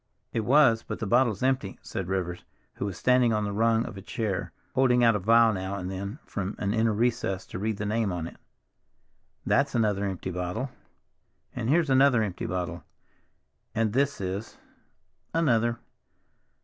"It was, but the bottle's empty," said Rivers, who was standing on the rung of a chair, holding out a vial now and then from an inner recess to read the name on it. "That's another empty bottle—and here's another empty bottle—and, this is—another.